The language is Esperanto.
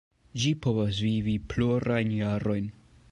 Ĝi povas vivi plurajn jarojn.